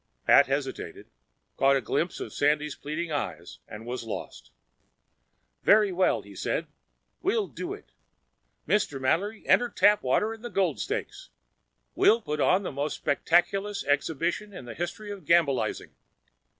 Pat hesitated, caught a glimpse of Sandy's pleading eyes, and was lost. "Very well," he said. "We'll do it. Mr. Mallory, enter Tapwater in the Gold Stakes. We'll put on the most spectaceous exhibition in the history of gambilizing!"